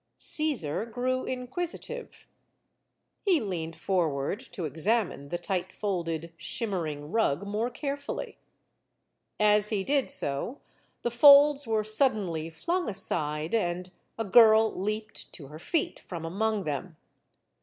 Caesar grew inquisitive. He leaned forward to ex amine the tight folded, shimmering rug more carefully. As he did so, the folds were suddenly flung aside, and 140 STORIES OF THE SUPER WOMEN a girl leaped to her feet from among them.